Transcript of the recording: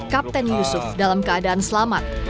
kapten yusuf dalam keadaan selamat